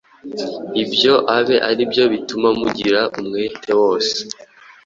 Ibyo abe ari byo bituma mugira umwete wose,